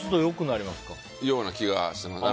ような気がします。